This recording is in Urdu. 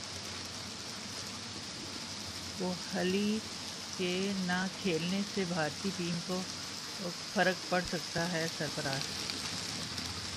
کوہلی کے نہ کھیلنے سے بھارتی ٹیم کو فرق پڑسکتا ہے سرفراز